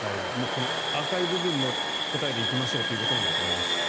この赤い部分の答えで行きましょうということだと思います。